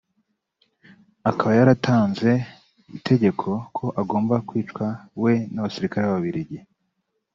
akaba yaratanze itegeko ko agomba kwicwa we n’abasirikari b’ababirigi